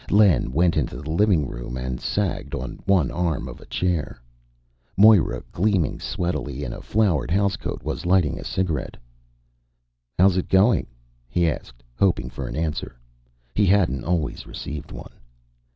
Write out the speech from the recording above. Len went into the living room and sagged on the arm of a chair. Moira, gleaming sweatily in a flowered housecoat, was lighting a cigarette. "How's it going?" he asked, hoping for an answer. He hadn't always received one.